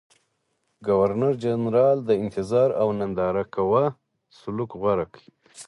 ګورنرجنرال د انتظار او ننداره کوه سلوک غوره کړ.